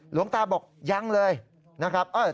หลวงตาบอกยังเลยนะครับ